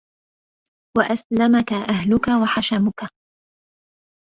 وَأَسْلَمَك أَهْلُك وَحَشَمُك